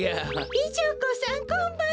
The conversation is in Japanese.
美女子さんこんばんは。